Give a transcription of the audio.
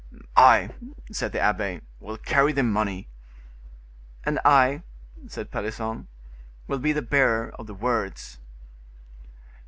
"I," said the abbe, "will carry the money." "And I," said Pelisson, "will be the bearer of the words."